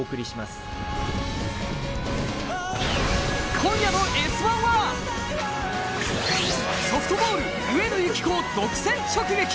今夜の「Ｓ☆１」はソフトボール・上野由岐子を独占直撃！